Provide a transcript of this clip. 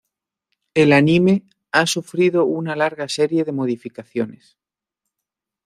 El anime ha sufrido una larga serie de modificaciones.